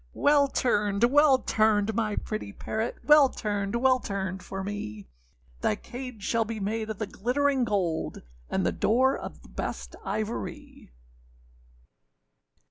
â âWell turned, well turned, my pretty parrot, Well turned, well turned for me; Thy cage shall be made of the glittering gold, And the door of the best ivory.